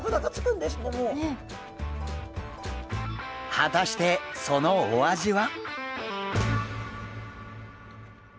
果たしてそのお味は？